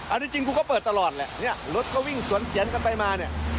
อันนี้จริงกูก็เปิดตลอดแหละรถก็วิ่งสวนเสียงกันไปมา